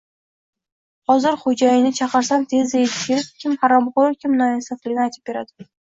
Hozir xo`jayinni chaqirsam tezda etib kelib, kim haromxo`ru kim noinsofligini aytib beradi